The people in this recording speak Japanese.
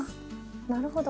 なるほど。